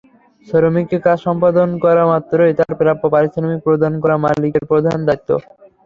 শ্রমিককে কাজ সম্পাদন করামাত্রই তাঁর প্রাপ্য পারিশ্রমিক প্রদান করা মালিকের প্রধান দায়িত্ব।